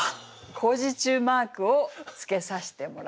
工事中マークをつけさせてもらいます。